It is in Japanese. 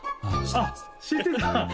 あっ知ってた？